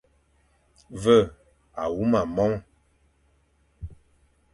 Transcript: Ve a huma mome.